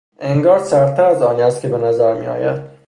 انگار سرد تر از آنی است که به نظر میآید.